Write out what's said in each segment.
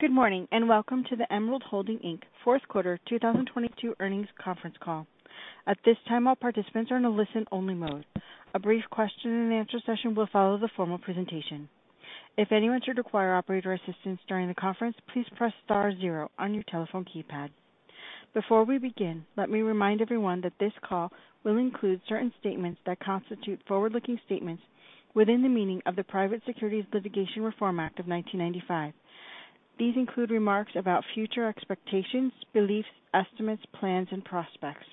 Good morning, welcome to the Emerald Holding, Inc. fourth quarter 2022 earnings conference call. At this time, all participants are in a listen-only mode. A brief question and answer session will follow the formal presentation. If anyone should require operator assistance during the conference, please press star 0 on your telephone keypad. Before we begin, let me remind everyone that this call will include certain statements that constitute forward-looking statements within the meaning of the Private Securities Litigation Reform Act of 1995. These include remarks about future expectations, beliefs, estimates, plans and prospects.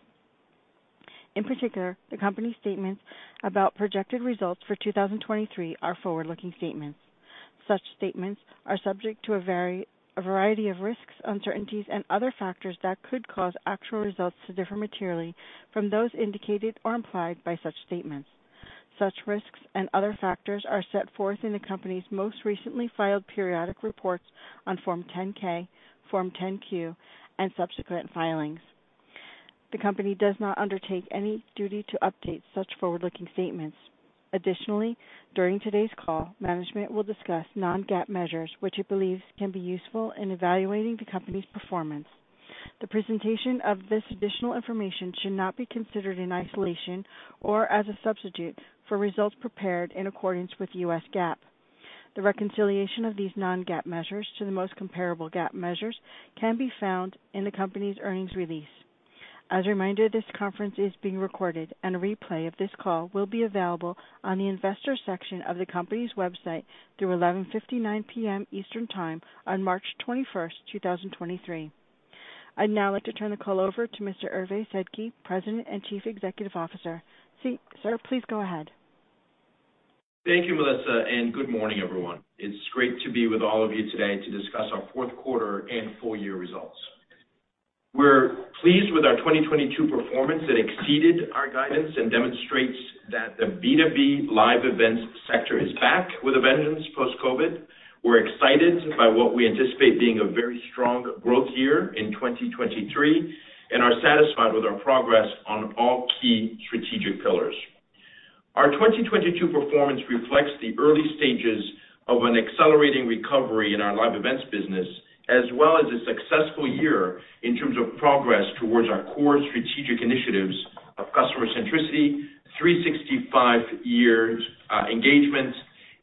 In particular, the company's statements about projected results for 2023 are forward-looking statements. Such statements are subject to a variety of risks, uncertainties and other factors that could cause actual results to differ materially from those indicated or implied by such statements. Such risks and other factors are set forth in the company's most recently filed periodic reports on Form 10-K, Form 10-Q, and subsequent filings. The company does not undertake any duty to update such forward-looking statements. Additionally, during today's call, management will discuss non-GAAP measures which it believes can be useful in evaluating the company's performance. The presentation of this additional information should not be considered in isolation or as a substitute for results prepared in accordance with U.S. GAAP. The reconciliation of these non-GAAP measures to the most comparable GAAP measures can be found in the company's earnings release. As a reminder, this conference is being recorded, and a replay of this call will be available on the investor section of the company's website through 11:59 P.M. Eastern Time on March 21, 2023. I'd now like to turn the call over to Mr. Hervé Sedky, President and Chief Executive Officer. Sir, please go ahead. Thank you, Melissa. Good morning, everyone. It's great to be with all of you today to discuss our fourth quarter and full year results. We're pleased with our 2022 performance that exceeded our guidance and demonstrates that the B2B live events sector is back with a vengeance post-COVID. We're excited by what we anticipate being a very strong growth year in 2023, and are satisfied with our progress on all key strategic pillars. Our 2022 performance reflects the early stages of an accelerating recovery in our live events business, as well as a successful year in terms of progress towards our core strategic initiatives of customer centricity, 365-day engagement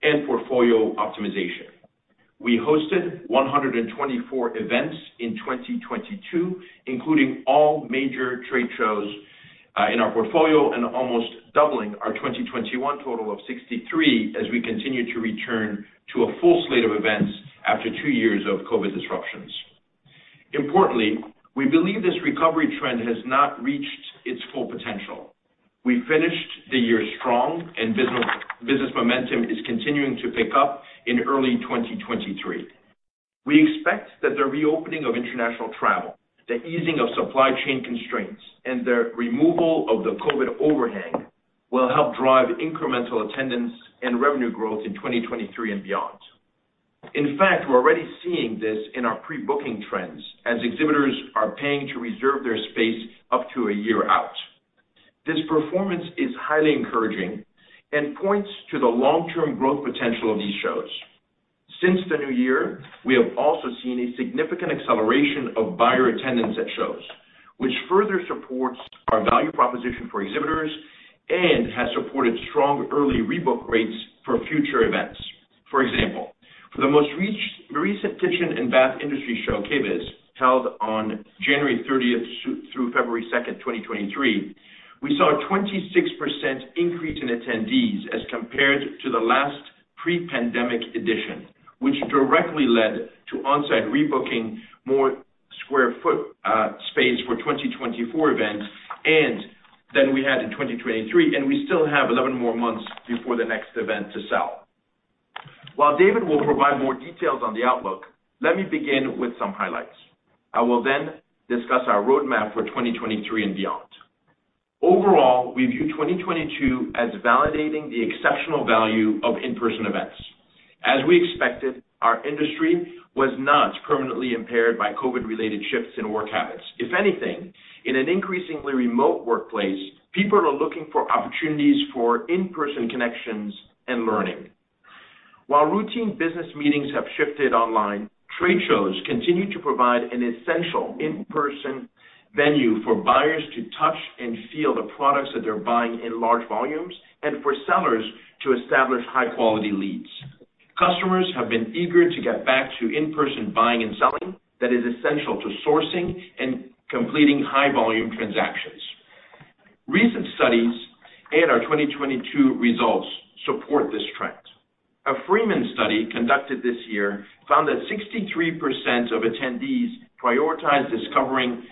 and portfolio optimization. We hosted 124 events in 2022, including all major trade shows in our portfolio, almost doubling our 2021 total of 63 as we continue to return to a full slate of events after 2 years of COVID disruptions. Importantly, we believe this recovery trend has not reached its full potential. We finished the year strong and business momentum is continuing to pick up in early 2023. We expect that the reopening of international travel, the easing of supply chain constraints and the removal of the COVID overhang will help drive incremental attendance and revenue growth in 2023 and beyond. In fact, we're already seeing this in our pre-booking trends as exhibitors are paying to reserve their space up to a year out. This performance is highly encouraging and points to the long-term growth potential of these shows. Since the new year, we have also seen a significant acceleration of buyer attendance at shows, which further supports our value proposition for exhibitors and has supported strong early rebook rates for future events. For example, for the most recent The Kitchen & Bath Industry Show KBIS, held on January thirtieth through February second, 2023, we saw a 26% increase in attendees as compared to the last pre-pandemic edition, which directly led to on-site rebooking more square foot space for 2024 events than we had in 2023, and we still have 11 more months before the next event to sell. While David will provide more details on the outlook, let me begin with some highlights. I will discuss our roadmap for 2023 and beyond. Overall, we view 2022 as validating the exceptional value of in-person events. As we expected, our industry was not permanently impaired by COVID-related shifts in work habits. If anything, in an increasingly remote workplace, people are looking for opportunities for in-person connections and learning. While routine business meetings have shifted online, trade shows continue to provide an essential in-person venue for buyers to touch and feel the products that they're buying in large volumes and for sellers to establish high-quality leads. Customers have been eager to get back to in-person buying and selling that is essential to sourcing and completing high volume transactions. Recent studies and our 2022 results support this trend. A Freeman study conducted this year found that 63% of attendees prioritize discovering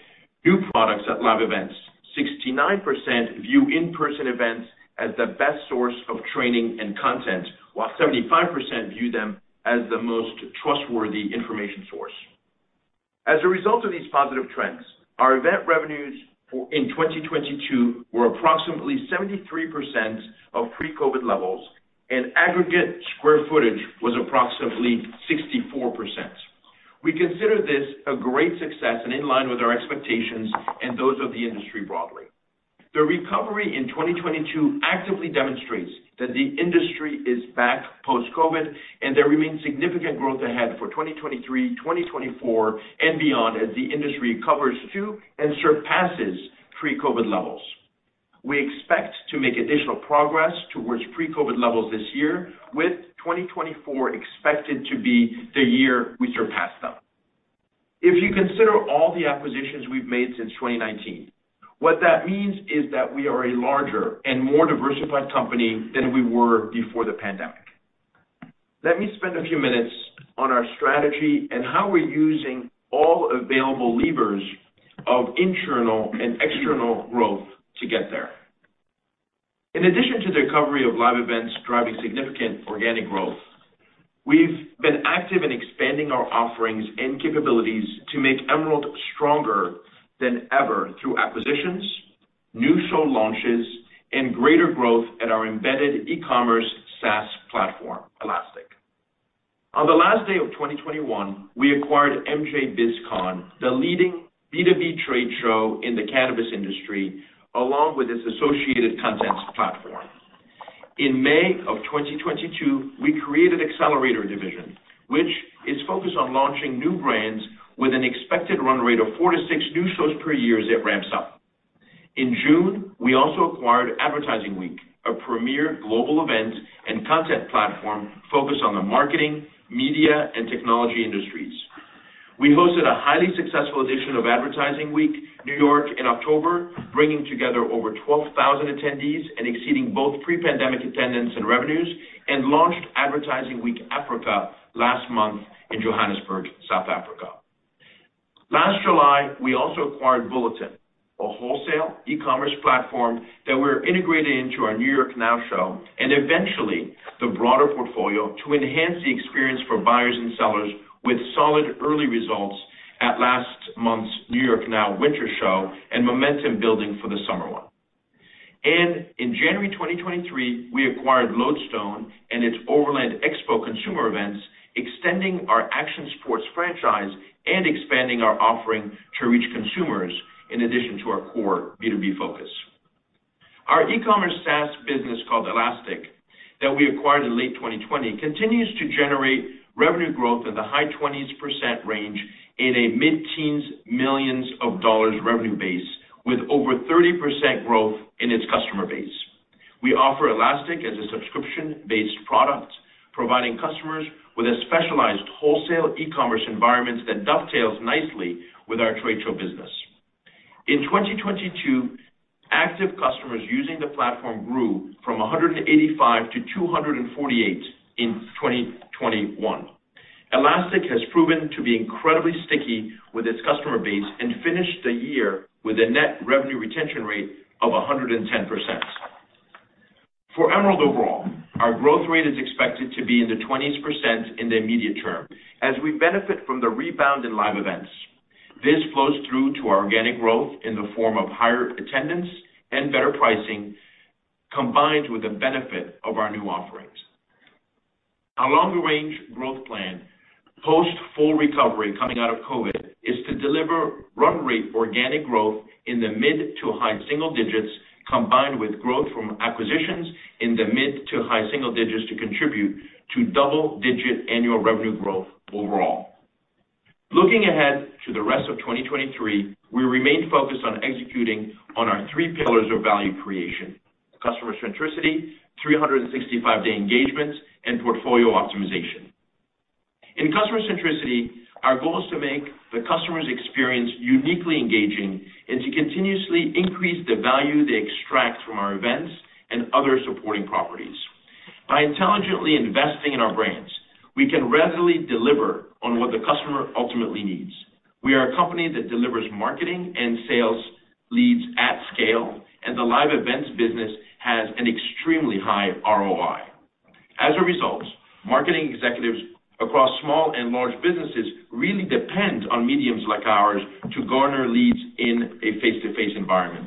new products at live events. 69% view in-person events as the best source of training and content, while 75% view them as the most trustworthy information source. As a result of these positive trends, our event revenues for in 2022 were approximately 73% of pre-COVID levels and aggregate square footage was approximately 64%. We consider this a great success and in line with our expectations and those of the industry broadly. The recovery in 2022 actively demonstrates that the industry is back post-COVID, and there remains significant growth ahead for 2023, 2024, and beyond as the industry recovers to and surpasses pre-COVID levels. We expect to make additional progress towards pre-COVID levels this year, with 2024 expected to be the year we surpass them. If you consider all the acquisitions we've made since 2019, what that means is that we are a larger and more diversified company than we were before the pandemic. Let me spend a few minutes on our strategy and how we're using all available levers of internal and external growth to get there. In addition to the recovery of live events driving significant organic growth, we've been active in expanding our offerings and capabilities to make Emerald stronger than ever through acquisitions, new show launches, and greater growth at our embedded e-commerce SaaS platform, Elastic. On the last day of 2021, we acquired MJBizCon, the leading B2B trade show in the cannabis industry, along with its associated content platform. In May of 2022, we created Accelerator Division, which is focused on launching new brands with an expected run rate of four to six new shows per year as it ramps up. In June, we also acquired Advertising Week, a premier global event and content platform focused on the marketing, media, and technology industries. We hosted a highly successful edition of Advertising Week, New York in October, bringing together over 12,000 attendees and exceeding both pre-pandemic attendance and revenues, and launched Advertising Week Africa last month in Johannesburg, South Africa. Last July, we also acquired Bulletin, a wholesale e-commerce platform that we're integrating into our New York NOW show and eventually the broader portfolio to enhance the experience for buyers and sellers with solid early results at last month's New York NOW winter show and momentum building for the summer one. In January 2023, we acquired Lodestone and its Overland Expo consumer events, extending our action sports franchise and expanding our offering to reach consumers in addition to our core B2B focus. Our e-commerce SaaS business called Elastic that we acquired in late 2020 continues to generate revenue growth in the high 20% range in a mid-teens millions of dollars revenue base with over 30% growth in its customer base. We offer Elastic as a subscription-based product, providing customers with a specialized wholesale e-commerce environment that dovetails nicely with our trade show business. In 2022, active customers using the platform grew from 185–248 in 2021. Elastic has proven to be incredibly sticky with its customer base and finished the year with a net revenue retention rate of 110%. For Emerald overall, our growth rate is expected to be in the 20% in the immediate term as we benefit from the rebound in live events. This flows through to our organic growth in the form of higher attendance and better pricing, combined with the benefit of our new offerings. Our long-range growth plan, post full recovery coming out of COVID, is to deliver run rate organic growth in the mid-to-high single digits, combined with growth from acquisitions in the mid-to-high single digits to contribute to double-digit annual revenue growth overall. Looking ahead to the rest of 2023, we remain focused on executing on our three pillars of value creation: customer centricity, 365-day engagements, and portfolio optimization. In customer centricity, our goal is to make the customer's experience uniquely engaging and to continuously increase the value they extract from our events and other supporting properties. By intelligently investing in our brands, we can readily deliver on what the customer ultimately needs. We are a company that delivers marketing and sales leads at scale, and the live events business has an extremely high ROI. As a result, marketing executives across small and large businesses really depend on mediums like ours to garner leads in a face-to-face environment.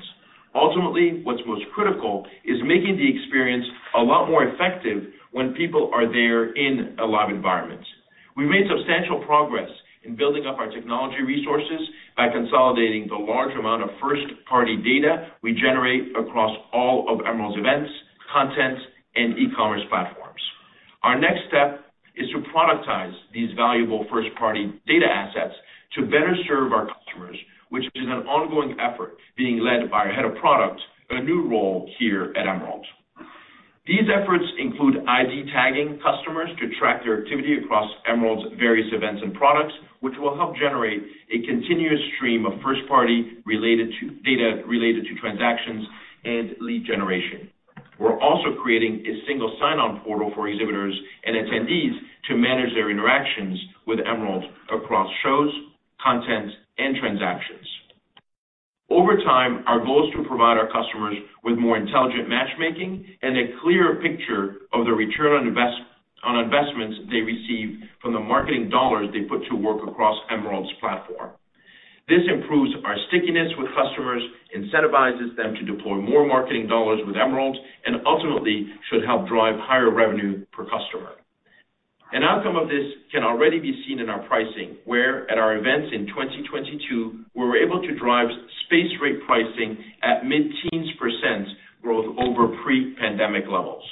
Ultimately, what's most critical is making the experience a lot more effective when people are there in a live environment. We've made substantial progress in building up our technology resources by consolidating the large amount of first-party data we generate across all of Emerald's events, content, and e-commerce platforms. Our next step is to productize these valuable first-party data assets to better serve our customers, which is an ongoing effort being led by our head of product in a new role here at Emerald. These efforts include ID tagging customers to track their activity across Emerald's various events and products, which will help generate a continuous stream of first-party data related to transactions and lead generation. We're also creating a single sign-on portal for exhibitors and attendees to manage their interactions with Emerald across shows, content, and transactions. Over time, our goal is to provide our customers with more intelligent matchmaking and a clearer picture of the return on investments they receive from the marketing dollars they put to work across Emerald's platform. This improves our stickiness with customers, incentivizes them to deploy more marketing dollars with Emerald, and ultimately should help drive higher revenue per customer. An outcome of this can already be seen in our pricing, where at our events in 2022, we were able to drive space rate pricing at mid-teens percentage growth over pre-pandemic levels.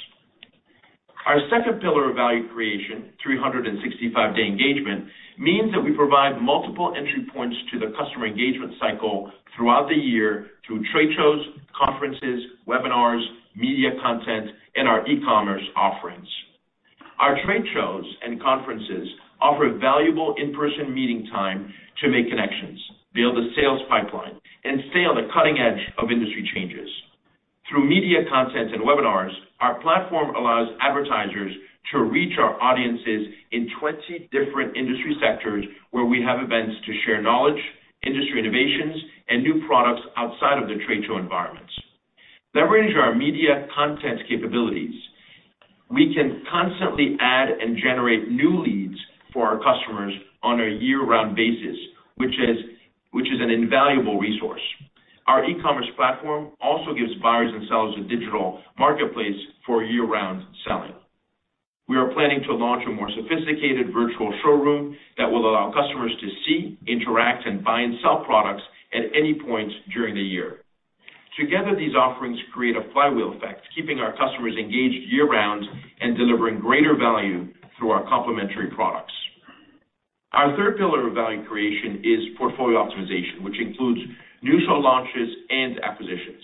Our second pillar of value creation, 365-day engagement, means that we provide multiple entry points to the customer engagement cycle throughout the year through trade shows, conferences, webinars, media content, and our e-commerce offerings. Our trade shows and conferences offer valuable in-person meeting time to make connections, build a sales pipeline, and stay on the cutting edge of industry changes. Through media content and webinars, our platform allows advertisers to reach our audiences in 20 different industry sectors where we have events to share knowledge, industry innovations, and new products outside of the trade show environments. Leveraging our media content capabilities, we can constantly add and generate new leads for our customers on a year-round basis, which is an invaluable resource. Our e-commerce platform also gives buyers and sellers a digital marketplace for year-round selling. We are planning to launch a more sophisticated virtual showroom that will allow customers to see, interact, and buy and sell products at any point during the year. Together, these offerings create a flywheel effect, keeping our customers engaged year-round and delivering greater value through our complementary products. Our third pillar of value creation is portfolio optimization, which includes new show launches and acquisitions.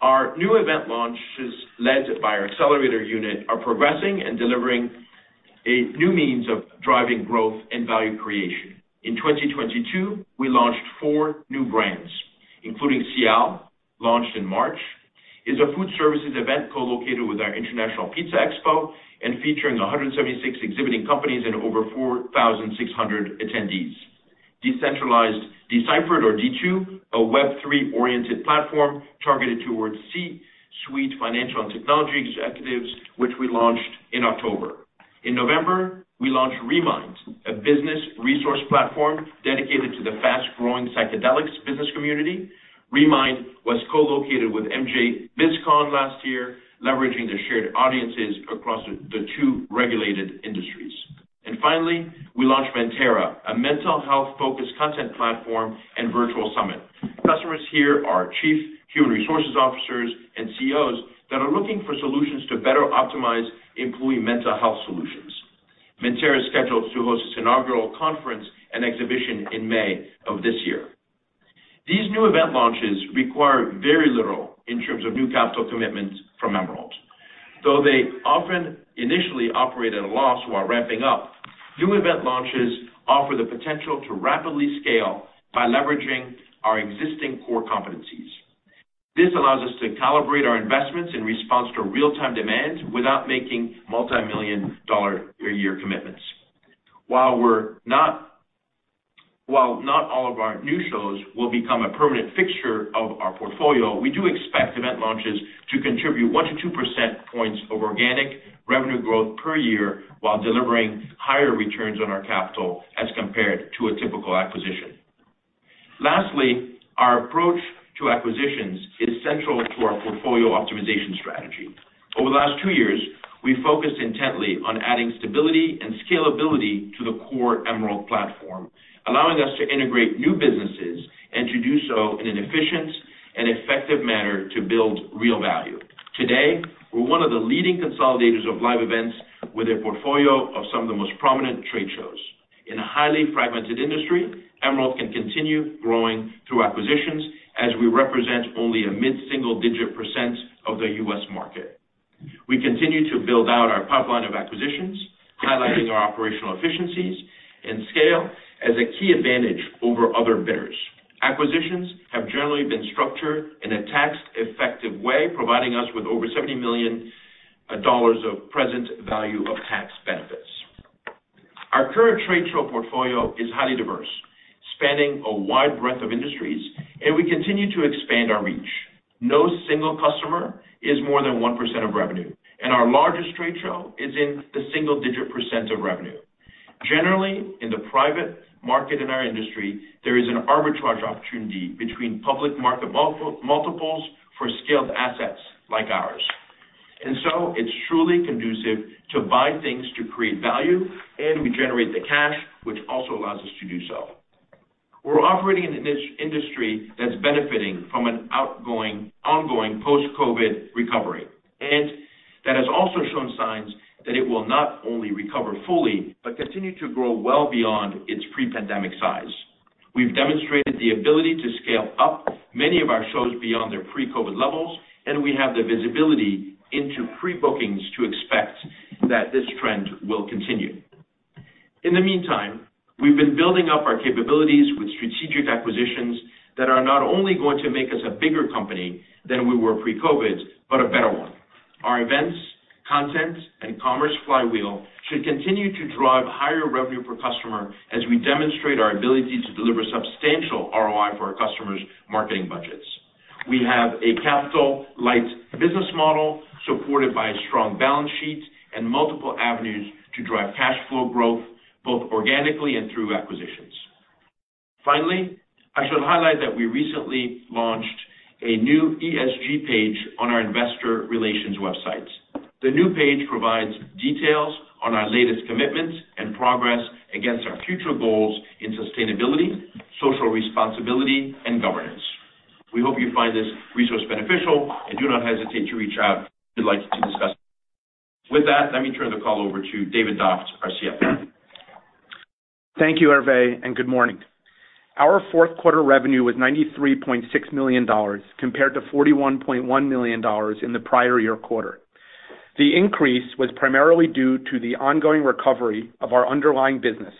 Our new event launches, led by our accelerator unit, are progressing and delivering a new means of driving growth and value creation. In 2022, we launched 4 new brands, including SIAL, launched in March, is a food service event co-located with our International Pizza Expo and featuring 176 exhibiting companies and over 4,600 attendees. D2: Decentralization Deciphered, a Web3-oriented platform targeted towards C-suite financial and technology executives, which we launched in October. In November, we launched reMind, a business resource platform dedicated to the fast-growing psychedelics business community. reMind was co-located with MJBizCon last year, leveraging the shared audiences across the two regulated industries. Finally, we launched Mentera, a mental health-focused content platform and virtual summit. Customers here are chief human resources officers and CEOs that are looking for solutions to better optimize employee mental health solutions. Mentera is scheduled to host its inaugural conference and exhibition in May of this year. These new event launches require very little in terms of new capital commitments from Emerald. Though they often initially operate at a loss while ramping up, new event launches offer the potential to rapidly scale by leveraging our existing core competencies. This allows us to calibrate our investments in response to real-time demand without making multi-million-dollar-a-year commitments. While not all of our new shows will become a permanent fixture of our portfolio, we do expect event launches to contribute one to two percent points of organic revenue growth per year while delivering higher returns on our capital as compared to a typical acquisition. Lastly, our approach to acquisitions is central to our portfolio optimization strategy. Over the last two years, we focused intently on adding stability and scalability to the core Emerald platform, allowing us to integrate new businesses and to do so in an efficient and effective manner to build real value. Today, we're one of the leading consolidators of live events with a portfolio of some of the most prominent trade shows. In a highly fragmented industry, Emerald can continue growing through acquisitions as we represent only a mid-single-digit percent of the U.S. market. We continue to build out our pipeline of acquisitions, highlighting our operational efficiencies and scale as a key advantage over other bidders. Acquisitions have generally been structured in a tax-effective way, providing us with over $70 million of present value of tax benefits. Our current trade show portfolio is highly diverse, spanning a wide breadth of industries. We continue to expand our reach. No single customer is more than 1% of revenue. Our largest trade show is in the single digit percent of revenue. Generally, in the private market in our industry, there is an arbitrage opportunity between public market multiples for scaled assets like ours. It's truly conducive to buy things to create value. We generate the cash, which also allows us to do so. We're operating in an industry that's benefiting from an ongoing post-COVID recovery, and that has also shown signs that it will not only recover fully, but continue to grow well beyond its pre-pandemic size. We've demonstrated the ability to scale up many of our shows beyond their pre-COVID levels, and we have the visibility into pre-bookings to expect that this trend will continue. In the meantime, we've been building up our capabilities with strategic acquisitions that are not only going to make us a bigger company than we were pre-COVID, but a better one. Our events, content, and commerce flywheel should continue to drive higher revenue per customer as we demonstrate our ability to deliver substantial ROI for our customers' marketing budgets. We have a capital-light business model supported by a strong balance sheet and multiple avenues to drive cash flow growth, both organically and through acquisitions. Finally, I should highlight that we recently launched a new ESG page on our investor relations website. The new page provides details on our latest commitments and progress against our future goals in sustainability, social responsibility, and governance. We hope you find this resource beneficial and do not hesitate to reach out if you'd like to discuss. With that, let me turn the call over to David Doft, our CFO. Thank you, Hervé, and good morning. Our fourth quarter revenue was $93.6 million compared to $41.1 million in the prior year quarter. The increase was primarily due to the ongoing recovery of our underlying business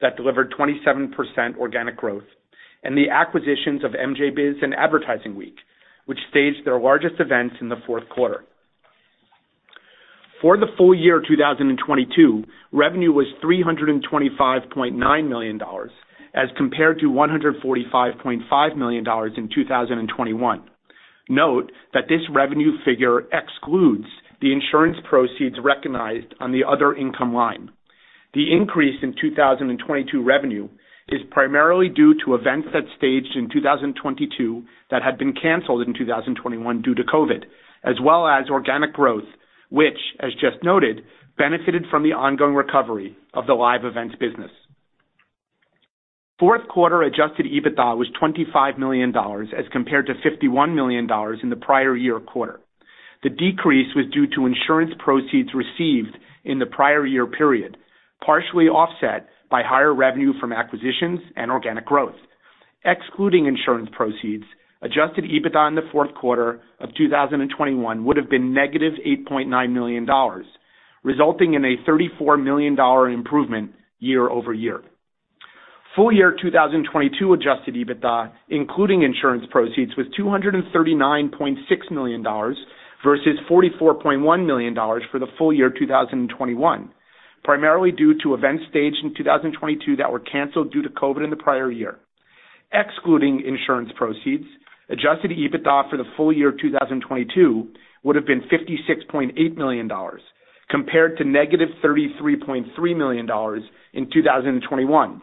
that delivered 27% organic growth and the acquisitions of MJBiz and Advertising Week, which staged their largest events in the fourth quarter. For the full year 2022, revenue was $325.9 million as compared to $145.5 million in 2021. Note that this revenue figure excludes the insurance proceeds recognized on the other income line. The increase in 2022 revenue is primarily due to events that staged in 2022 that had been canceled in 2021 due to COVID, as well as organic growth, which, as just noted, benefited from the ongoing recovery of the live events business. Fourth quarter adjusted EBITDA was $25 million as compared to $51 million in the prior year quarter. The decrease was due to insurance proceeds received in the prior year period, partially offset by higher revenue from acquisitions and organic growth. Excluding insurance proceeds, adjusted EBITDA in the fourth quarter of 2021 would have been negative $8.9 million, resulting in a $34 million improvement year-over-year. Full year 2022 adjusted EBITDA, including insurance proceeds, was $239.6 million versus $44.1 million for the full year 2021, primarily due to events staged in 2022 that were canceled due to COVID in the prior year. Excluding insurance proceeds, adjusted EBITDA for the full year 2022 would have been $56.8 million compared to negative $33.3 million in 2021,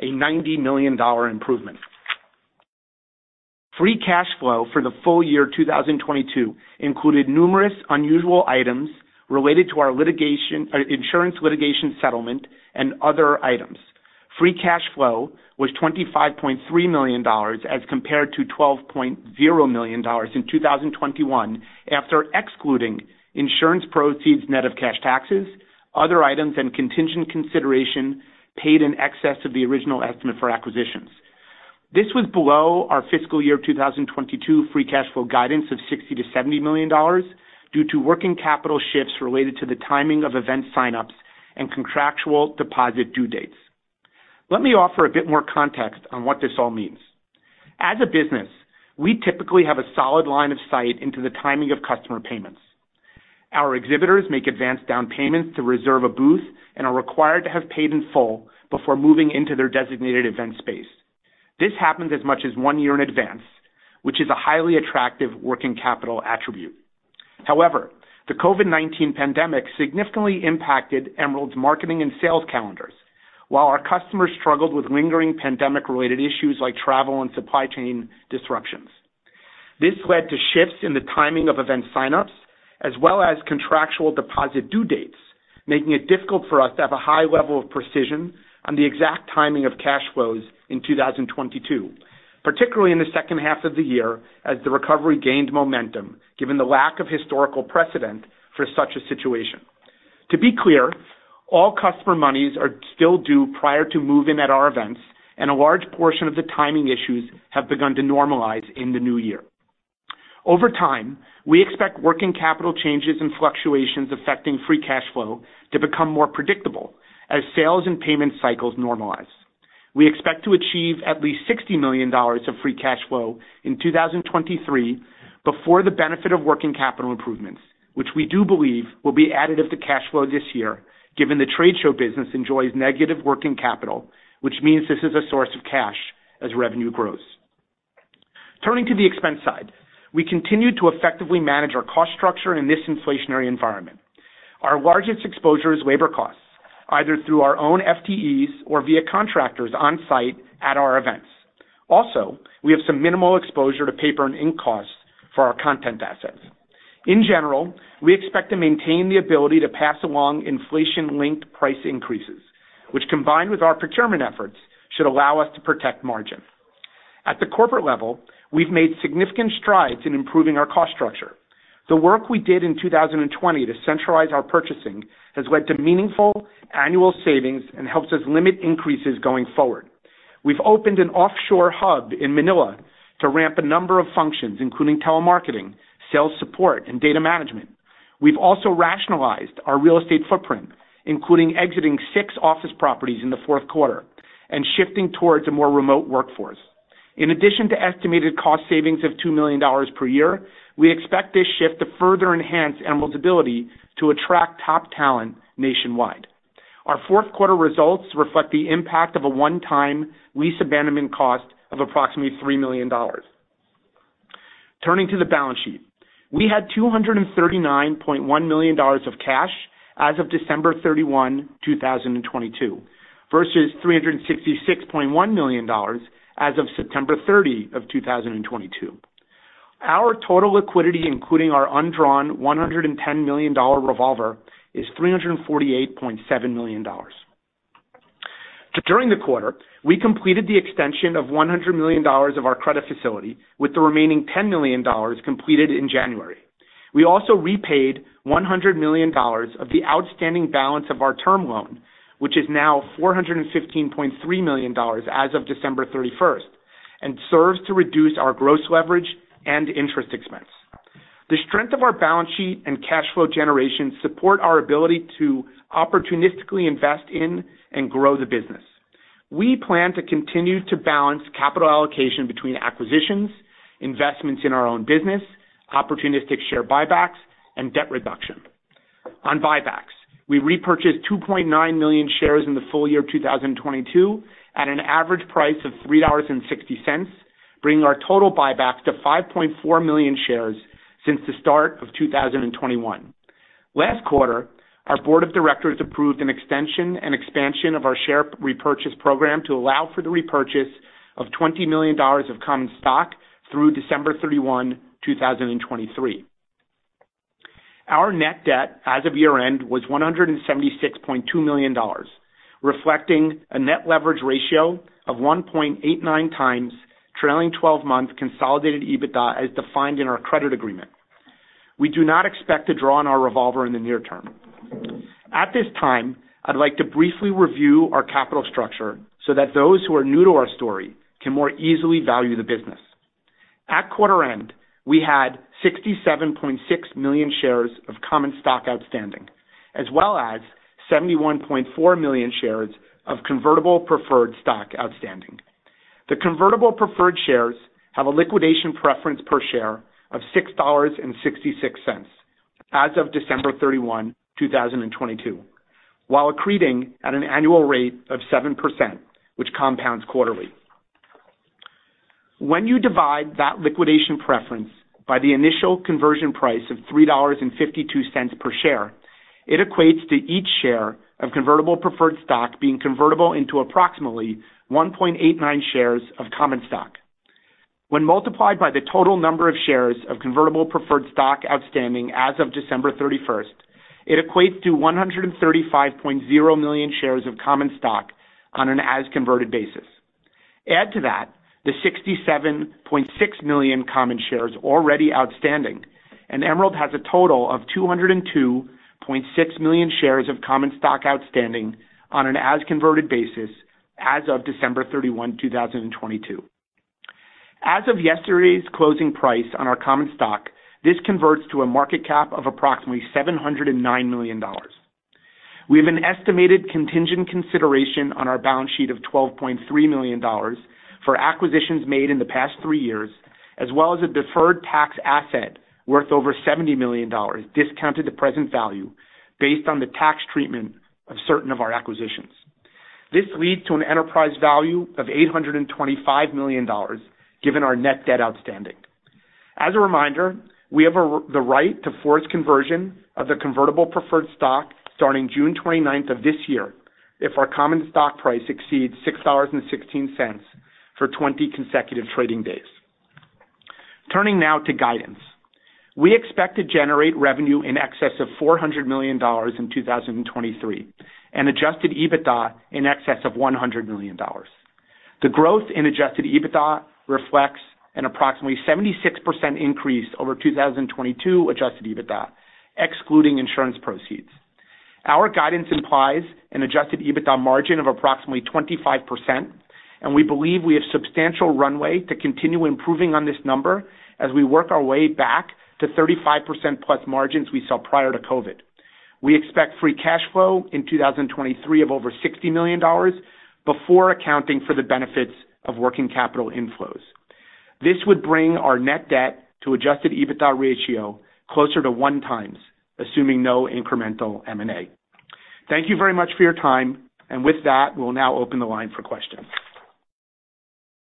a $90 million improvement. Free cash flow for the full year 2022 included numerous unusual items related to our insurance litigation settlement and other items. Free cash flow was $25.3 million as compared to $12.0 million in 2021 after excluding insurance proceeds net of cash taxes, other items, and contingent consideration paid in excess of the original estimate for acquisitions. This was below our fiscal year 2022 free cash flow guidance of $60 million–$70 million due to working capital shifts related to the timing of event signups and contractual deposit due dates. Let me offer a bit more context on what this all means. As a business, we typically have a solid line of sight into the timing of customer payments. Our exhibitors make advanced down payments to reserve a booth and are required to have paid in full before moving into their designated event space. This happens as much as one year in advance, which is a highly attractive working capital attribute. However, the COVID-19 pandemic significantly impacted Emerald's marketing and sales calendars while our customers struggled with lingering pandemic-related issues like travel and supply chain disruptions. This led to shifts in the timing of event signups as well as contractual deposit due dates, making it difficult for us to have a high level of precision on the exact timing of cash flows in 2022, particularly in the second half of the year as the recovery gained momentum, given the lack of historical precedent for such a situation. To be clear, all customer monies are still due prior to move-in at our events, and a large portion of the timing issues have begun to normalize in the new year. Over time, we expect working capital changes and fluctuations affecting free cash flow to become more predictable as sales and payment cycles normalize. We expect to achieve at least $60 million of free cash flow in 2023 before the benefit of working capital improvements, which we do believe will be additive to cash flow this year, given the trade show business enjoys negative working capital, which means this is a source of cash as revenue grows. We continue to effectively manage our cost structure in this inflationary environment. Our largest exposure is labor costs, either through our own FTEs or via contractors on-site at our events. We have some minimal exposure to paper and ink costs for our content assets. In general, we expect to maintain the ability to pass along inflation-linked price increases, which combined with our procurement efforts, should allow us to protect margin. At the corporate level, we've made significant strides in improving our cost structure. The work we did in 2020 to centralize our purchasing has led to meaningful annual savings and helps us limit increases going forward. We've opened an offshore hub in Manila to ramp a number of functions, including telemarketing, sales support, and data management. We've also rationalized our real estate footprint, including exiting six office properties in the fourth quarter and shifting towards a more remote workforce. In addition to estimated cost savings of $2 million per year, we expect this shift to further enhance Emerald's ability to attract top talent nationwide. Our fourth quarter results reflect the impact of a one-time lease abandonment cost of approximately $3 million. Turning to the balance sheet. We had $239.1 million of cash as of December 31, 2022, versus $366.1 million as of September 30, 2022. Our total liquidity, including our undrawn $110 million revolver, is $348.7 million. During the quarter, we completed the extension of $100 million of our credit facility, with the remaining $10 million completed in January. We also repaid $100 million of the outstanding balance of our term loan, which is now $415.3 million as of December 31, and serves to reduce our gross leverage and interest expense. The strength of our balance sheet and cash flow generation support our ability to opportunistically invest in and grow the business. We plan to continue to balance capital allocation between acquisitions, investments in our own business, opportunistic share buybacks, and debt reduction. On buybacks, we repurchased 2.9 million shares in the full year of 2022 at an average price of $3.60, bringing our total buybacks to 5.4 million shares since the start of 2021. Last quarter, our board of directors approved an extension and expansion of our share repurchase program to allow for the repurchase of $20 million of common stock through December 31, 2023. Our net debt as of year-end was $176.2 million, reflecting a net leverage ratio of 1.89 times trailing twelve-month consolidated EBITDA as defined in our credit agreement. We do not expect to draw on our revolver in the near term. At this time, I'd like to briefly review our capital structure so that those who are new to our story can more easily value the business. At quarter-end, we had 67.6 million shares of common stock outstanding, as well as 71.4 million shares of convertible preferred stock outstanding. The convertible preferred shares have a liquidation preference per share of $6.66 as of December 31, 2022, while accreting at an annual rate of 7%, which compounds quarterly. When you divide that liquidation preference by the initial conversion price of $3.52 per share, it equates to each share of convertible preferred stock being convertible into approximately 1.89 shares of common stock. When multiplied by the total number of shares of convertible preferred stock outstanding as of December 31st, it equates to 135.0 million shares of common stock on an as converted basis. Add to that the 67.6 million common shares already outstanding, Emerald has a total of 202.6 million shares of common stock outstanding on an as converted basis as of December 31, 2022. As of yesterday's closing price on our common stock, this converts to a market cap of approximately $709 million. We have an estimated contingent consideration on our balance sheet of $12.3 million for acquisitions made in the past 3 years, as well as a deferred tax asset worth over $70 million discounted to present value based on the tax treatment of certain of our acquisitions. This leads to an enterprise value of $825 million, given our net debt outstanding. As a reminder, we have the right to force conversion of the convertible preferred stock starting June 29th of this year if our common stock price exceeds $6.16 for 20 consecutive trading days. Turning now to guidance. We expect to generate revenue in excess of $400 million in 2023 and adjusted EBITDA in excess of $100 million. The growth in adjusted EBITDA reflects an approximately 76% increase over 2022 adjusted EBITDA, excluding insurance proceeds. Our guidance implies an adjusted EBITDA margin of approximately 25%, and we believe we have substantial runway to continue improving on this number as we work our way back to 35%+ margins we saw prior to COVID. We expect free cash flow in 2023 of over $60 million before accounting for the benefits of working capital inflows. This would bring our net debt to adjusted EBITDA ratio closer to 1 times, assuming no incremental M&A. Thank you very much for your time. With that, we'll now open the line for questions.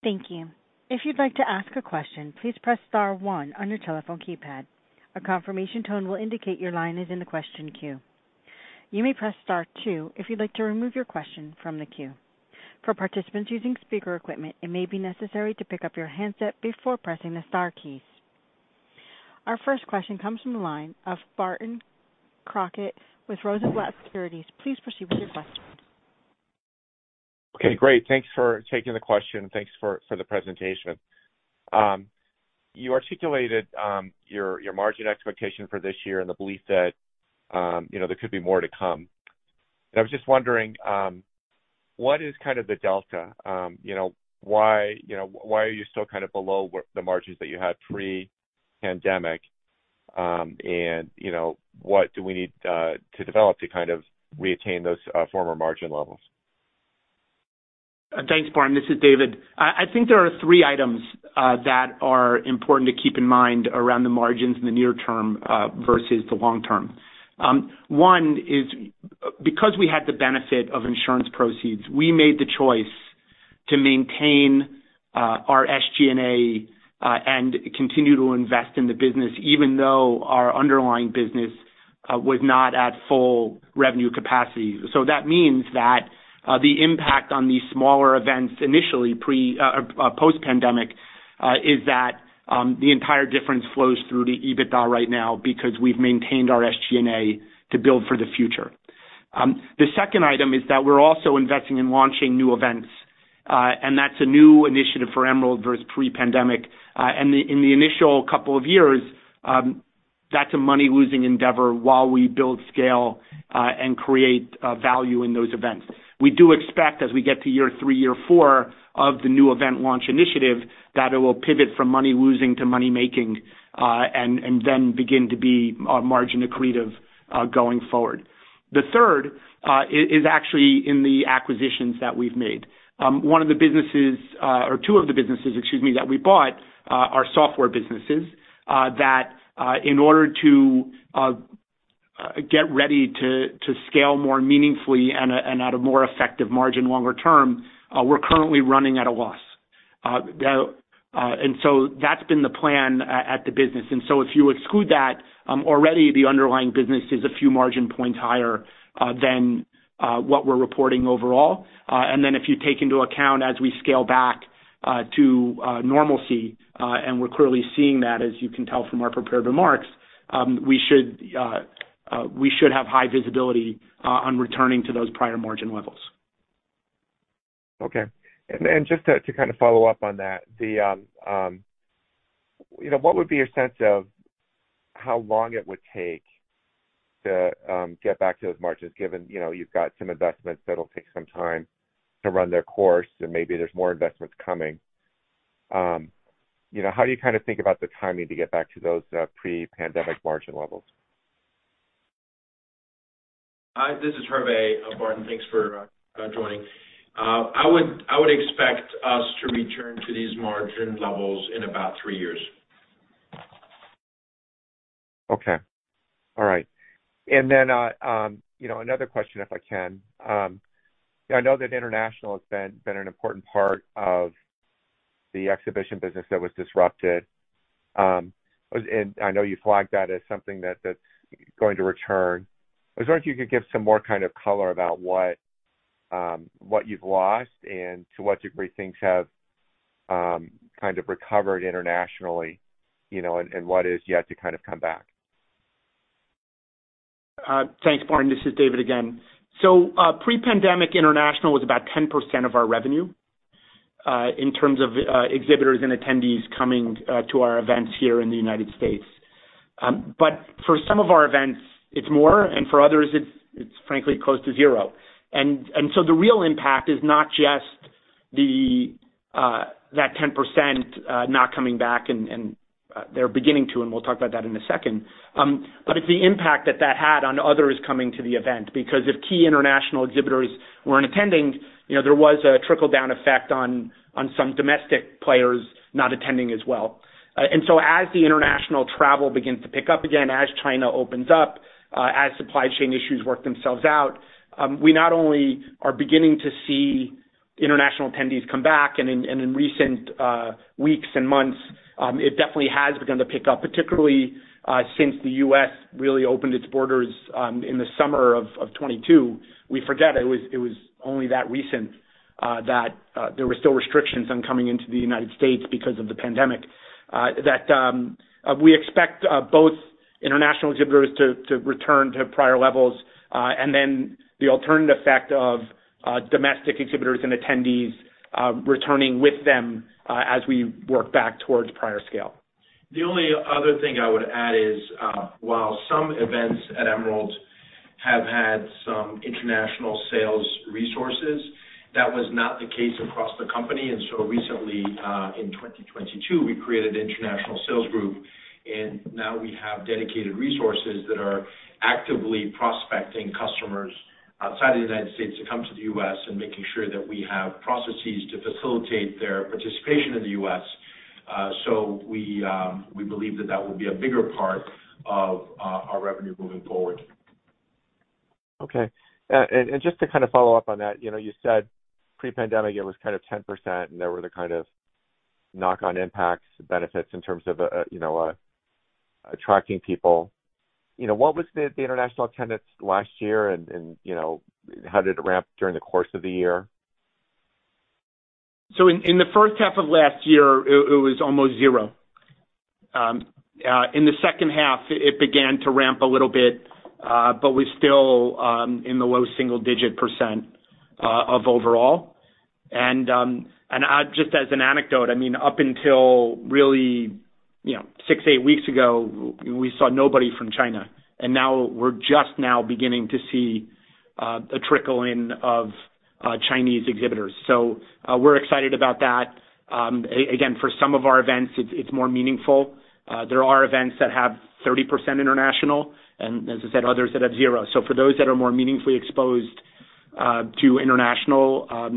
Thank you. If you'd like to ask a question, please press star one on your telephone keypad. A confirmation tone will indicate your line is in the question queue. You may press star two if you'd like to remove your question from the queue. For participants using speaker equipment, it may be necessary to pick up your handset before pressing the star keys. Our first question comes from the line of Barton Crockett with Rosenblatt Securities. Please proceed with your question. Okay, great. Thanks for taking the question and thanks for the presentation. You articulated your margin expectation for this year and the belief that, you know, there could be more to come. I was just wondering, what is kind of the delta? You know, why, you know, why are you still kind of below what the margins that you had pre-pandemic? You know, what do we need to develop to kind of retain those former margin levels? Thanks, Barton. This is David. I think there are three items that are important to keep in mind around the margins in the near term versus the long term. One is because we had the benefit of insurance proceeds, we made the choice to maintain our SG&A and continue to invest in the business, even though our underlying business was not at full revenue capacity. That means that the impact on these smaller events initially post-pandemic is that the entire difference flows through the EBITDA right now because we've maintained our SG&A to build for the future. The second item is that we're also investing in launching new events, and that's a new initiative for Emerald versus pre-pandemic. In the initial couple of years, that's a money-losing endeavor while we build scale and create value in those events. We do expect, as we get to year three, year four of the new event launch initiative, that it will pivot from money-losing to money-making and then begin to be margin accretive going forward. The third is actually in the acquisitions that we've made. One of the businesses, or two of the businesses, excuse me, that we bought are software businesses that in order to get ready to scale more meaningfully and at a more effective margin longer term, we're currently running at a loss. That's been the plan at the business. If you exclude that, already the underlying business is a few margin points higher than what we're reporting overall. If you take into account as we scale back to normalcy, and we're clearly seeing that, as you can tell from our prepared remarks, we should have high visibility on returning to those prior margin levels. Okay. Just to kind of follow up on that, the, you know, what would be your sense of how long it would take to get back to those margins, given, you know, you've got some investments that'll take some time to run their course and maybe there's more investments coming? you know, how do you kind of think about the timing to get back to those pre-pandemic margin levels? Hi, this is Hervé. Barton, thanks for joining. I would expect us to return to these margin levels in about three years. Okay. All right. You know, another question, if I can. I know that international has been an important part of the exhibition business that was disrupted. I know you flagged that as something that's going to return. I was wondering if you could give some more kind of color about what you've lost and to what degree things have kind of recovered internationally, you know, and what is yet to kind of come back? Thanks, Barton. This is David again. Pre-pandemic international was about 10% of our revenue, in terms of exhibitors and attendees coming to our events here in the United States. For some of our events, it's more, and for others, it's frankly close to zero. The real impact is not just that 10%, not coming back and they're beginning to, and we'll talk about that in a second. It's the impact that that had on others coming to the event. If key international exhibitors weren't attending, you know, there was a trickle-down effect on some domestic players not attending as well. As the international travel begins to pick up again, as China opens up, as supply chain issues work themselves out, we not only are beginning to see international attendees come back, and in recent weeks and months, it definitely has begun to pick up, particularly since the U.S. really opened its borders in the summer of 2022. We forget it was only that recent that there were still restrictions on coming into the United States because of the pandemic. That, we expect both international exhibitors to return to prior levels, and then the alternate effect of domestic exhibitors and attendees returning with them as we work back towards prior scale. The only other thing I would add is, while some events at Emerald have had some international sales resources, that was not the case across the company. Recently, in 2022, we created an international sales group. Now we have dedicated resources that are actively prospecting customers outside of the United States to come to the U.S. and making sure that we have processes to facilitate their participation in the U.S. We believe that that will be a bigger part of our revenue moving forward. Okay. Just to kind of follow up on that, you know, you said pre-pandemic it was kind of 10%, and there were the kind of knock-on impacts, benefits in terms of, you know, attracting people. You know, what was the international attendance last year and, you know, how did it ramp during the course of the year? In the first half of last year, it was almost zero. In the second half, it began to ramp a little bit, but we're still in the low single-digit percentage of overall. Just as an anecdote, I mean, up until really, you know, six, eight weeks ago, we saw nobody from China, and now we're just now beginning to see a trickle in of Chinese exhibitors. We're excited about that. Again, for some of our events, it's more meaningful. There are events that have 30% international and, as I said, others that have zero. For those that are more meaningfully exposed to international,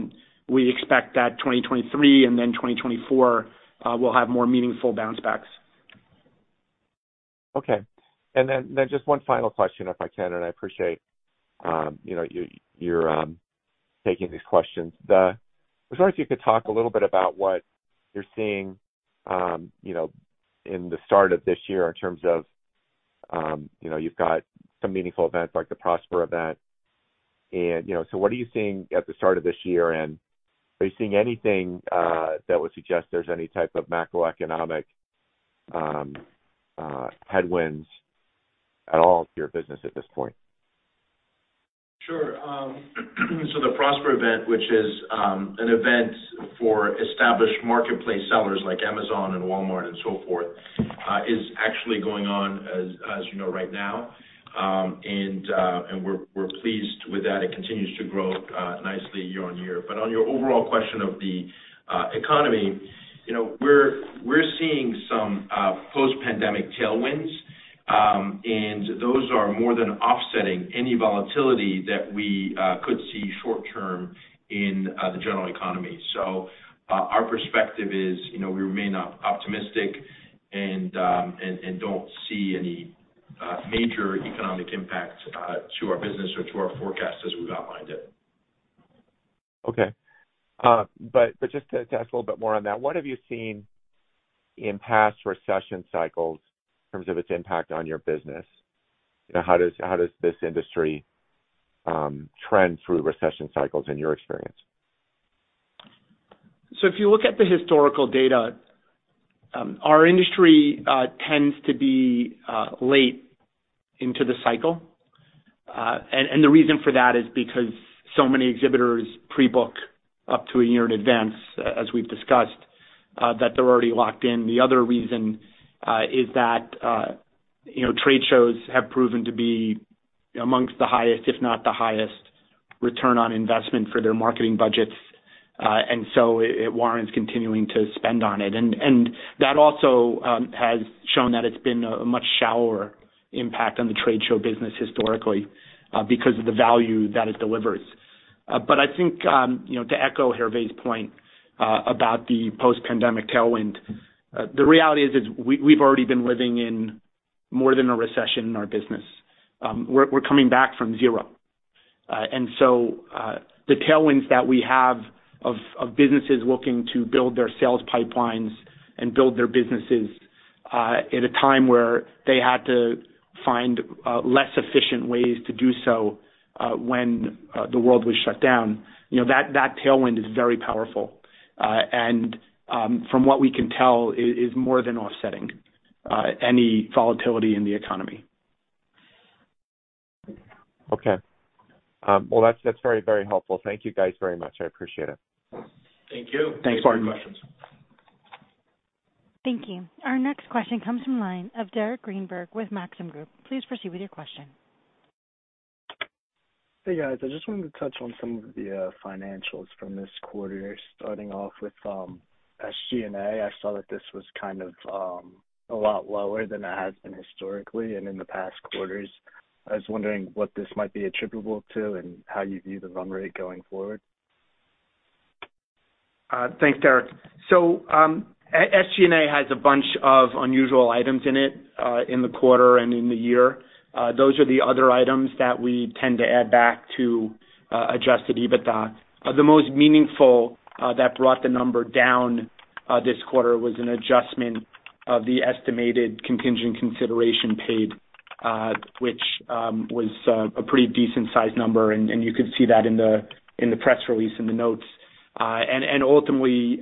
we expect that 2023, 2024 will have more meaningful bounce backs. Okay. Then just one final question, if I can, and I appreciate, you know, you're taking these questions. I was wondering if you could talk a little bit about what you're seeing, you know, in the start of this year in terms of, you know, you've got some meaningful events like the Prosper Show and, you know, so what are you seeing at the start of this year? Are you seeing anything that would suggest there's any type of macroeconomic headwinds at all to your business at this point? Sure. The Prosper Show, which is an event for established marketplace sellers like Amazon and Walmart and so forth, is actually going on, as you know, right now. We're pleased with that. It continues to grow nicely year-over-year. On your overall question of the economy, you know, we're seeing some post-pandemic tailwinds. Those are more than offsetting any volatility that we could see short term in the general economy. Our perspective is, you know, we remain optimistic and don't see any major economic impact to our business or to our forecast as we've outlined it. Okay. Just to ask a little bit more on that, what have you seen in past recession cycles in terms of its impact on your business? You know, how does this industry trend through recession cycles in your experience? If you look at the historical data, our industry tends to be late into the cycle. The reason for that is because so many exhibitors pre-book up to 1 year in advance, as we've discussed, that they're already locked in. The other reason is that, you know, trade shows have proven to be amongst the highest, if not the highest return on investment for their marketing budgets. It warrants continuing to spend on it. That also has shown that it's been a much shallower impact on the trade show business historically, because of the value that it delivers. I think, you know, to echo Hervé's point, about the post-pandemic tailwind, the reality is, we've already been living in more than a recession in our business. We're coming back from zero. The tailwinds that we have of businesses looking to build their sales pipelines and build their businesses, at a time where they had to find less efficient ways to do so, when the world was shut down. You know, that tailwind is very powerful. From what we can tell, is more than offsetting any volatility in the economy. Okay. well, that's very, very helpful. Thank you, guys, very much. I appreciate it. Thank you. Thanks, Barton. Thank you for your questions. Thank you. Our next question comes from line of Allen Klee with Maxim Group. Please proceed with your question. Hey, guys. I just wanted to touch on some of the financials from this quarter, starting off with SG&A. I saw that this was kind of a lot lower than it has been historically and in the past quarters. I was wondering what this might be attributable to and how you view the run rate going forward. Thanks, Allen. SG&A has a bunch of unusual items in it, in the quarter and in the year. Those are the other items that we tend to add back to adjusted EBITDA. The most meaningful that brought the number down this quarter was an adjustment of the estimated contingent consideration paid, which was a pretty decent sized number. You could see that in the press release in the notes. Ultimately,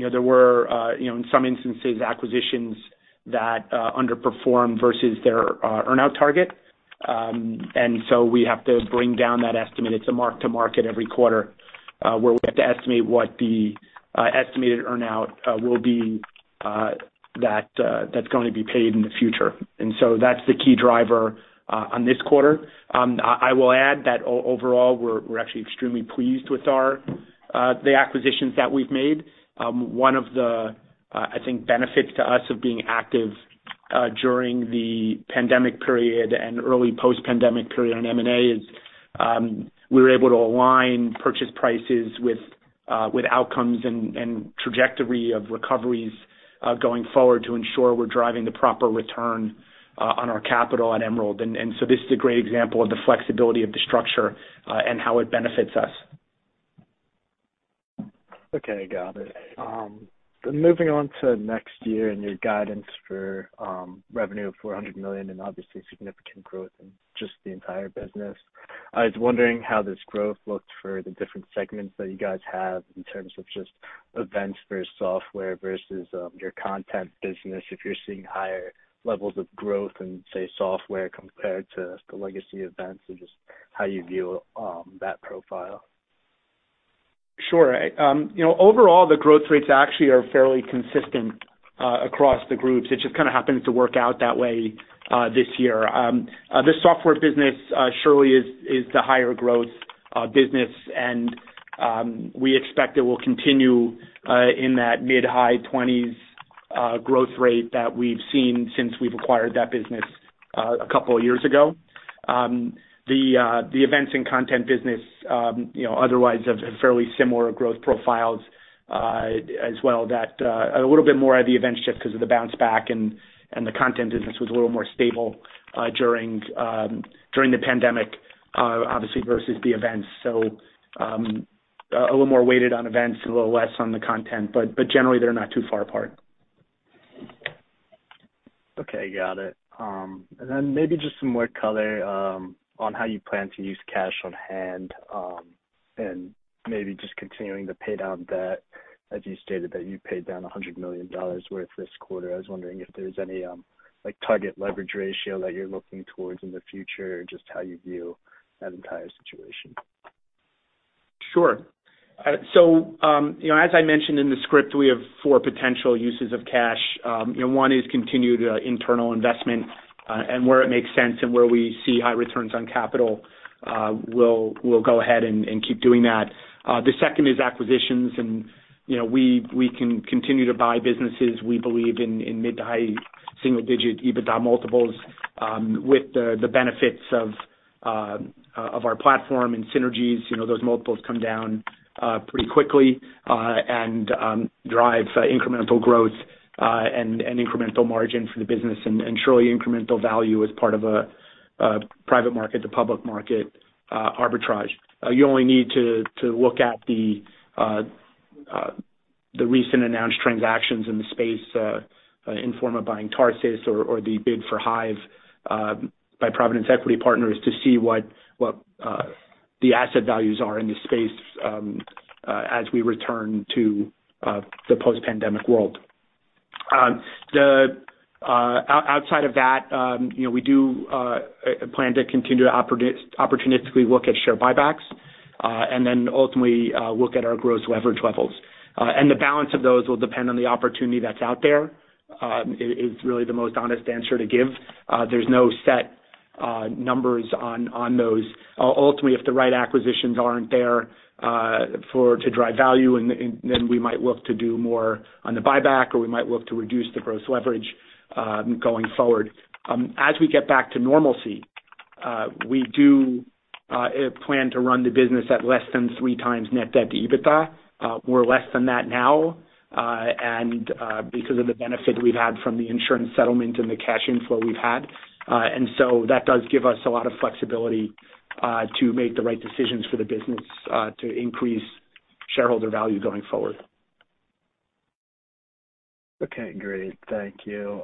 you know, there were, you know, in some instances, acquisitions that underperformed versus their earnout target. So we have to bring down that estimate. It's a mark to market every quarter, where we have to estimate what the estimated earnout will be that that's going to be paid in the future. That's the key driver on this quarter. I will add that overall, we're actually extremely pleased with the acquisitions that we've made. One of the, I think benefits to us of being active during the pandemic period and early post-pandemic period on M&A is, we were able to align purchase prices with outcomes and trajectory of recoveries going forward to ensure we're driving the proper return on our capital at Emerald. This is a great example of the flexibility of the structure and how it benefits us. Got it. Moving on to next year and your guidance for revenue of $400 million and obviously significant growth in just the entire business. I was wondering how this growth looked for the different segments that you guys have in terms of just events versus software versus your content business, if you're seeing higher levels of growth in, say, software compared to the legacy events and just how you view that profile? Sure. You know, overall, the growth rates actually are fairly consistent across the groups. It just kind of happens to work out that way this year. The software business surely is the higher growth business and we expect it will continue in that mid-high 20s growth rate that we've seen since we've acquired that business a couple of years ago. The events and content business, you know, otherwise have fairly similar growth profiles as well that. A little bit more at the events just 'cause of the bounce back and the content business was a little more stable during the pandemic obviously versus the events. A little more weighted on events, a little less on the content, but generally they're not too far apart. Okay, got it. Maybe just some more color, on how you plan to use cash on hand, and maybe just continuing to pay down debt, as you stated that you paid down $100 million worth this quarter. I was wondering if there's any like target leverage ratio that you're looking towards in the future, just how you view that entire situation. Sure. You know, as I mentioned in the script, we have four potential uses of cash. You know, one is continued internal investment, and where it makes sense and where we see high returns on capital, we'll go ahead and keep doing that. The second is acquisitions and, you know, we can continue to buy businesses we believe in mid to high single-digit EBITDA multiples, with the benefits of our platform and synergies. You know, those multiples come down pretty quickly, and drive incremental growth, and incremental margin for the business and surely incremental value as part of a private market to public market arbitrage. You only need to look at the recent announced transactions in the space, Informa buying Tarsus or the bid for Hyve by Providence Equity Partners to see what the asset values are in this space as we return to the post-pandemic world. Outside of that, you know, we do plan to continue to opportunistically look at share buybacks and then ultimately look at our gross leverage levels. The balance of those will depend on the opportunity that's out there, is really the most honest answer to give. There's no set numbers on those. Ultimately, if the right acquisitions aren't there, for to drive value and then we might look to do more on the buyback or we might look to reduce the gross leverage going forward. As we get back to normalcy, we do plan to run the business at less than three times net debt to EBITDA. We're less than that now, and because of the benefit we've had from the insurance settlement and the cash inflow we've had. That does give us a lot of flexibility to make the right decisions for the business to increase shareholder value going forward. Okay, great. Thank you.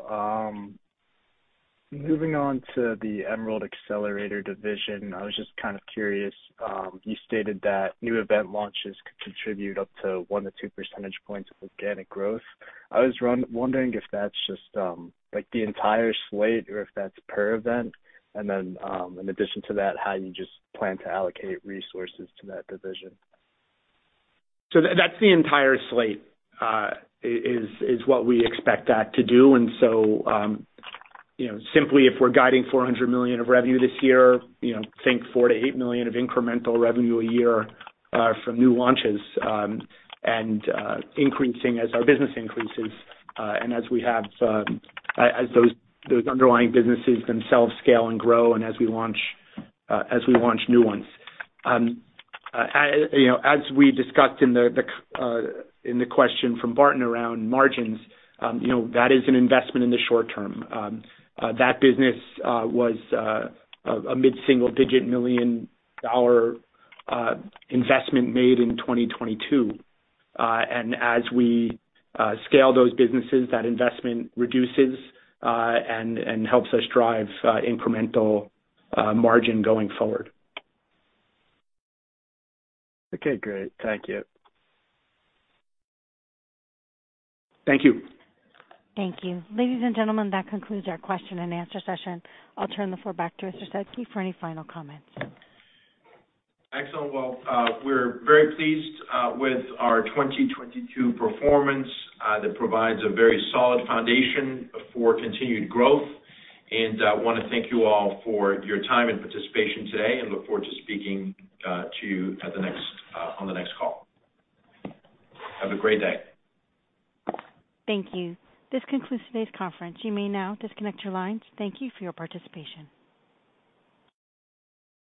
Moving on to the Emerald Accelerator Division. I was just kind of curious. You stated that new event launches could contribute up to one to two percentage points of organic growth. I was wondering if that's just, like the entire slate or if that's per event. In addition to that, how you just plan to allocate resources to that division. That's the entire slate, is what we expect that to do. Simply if we're guiding $400 million of revenue this year, you know, think $4 million–$8 million of incremental revenue a year from new launches, and increasing as our business increases, and as we have as those underlying businesses themselves scale and grow and as we launch new ones. You know, as we discussed in the question from Barton around margins, you know, that is an investment in the short term. That business was a mid-single digit million dollar investment made in 2022. As we scale those businesses, that investment reduces and helps us drive incremental margin going forward. Okay, great. Thank you. Thank you. Thank you. Ladies and gentlemen, that concludes our question and answer session. I'll turn the floor back to Mr. Sedky for any final comments. Excellent. Well, we're very pleased with our 2022 performance. That provides a very solid foundation for continued growth. Want to thank you all for your time and participation today, and look forward to speaking to you on the next call. Have a great day. Thank you. This concludes today's conference. You may now disconnect your lines. Thank you for your participation.